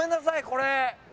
これ。